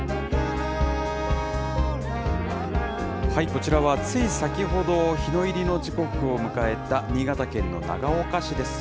こちらは、つい先ほど、日の入りの時刻を迎えた新潟県の長岡市です。